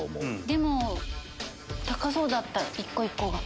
でも高そうだった一個一個が。